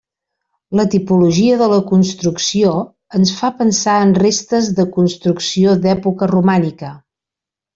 La tipologia de la construcció ens fa pensar en restes de construcció d'època romànica.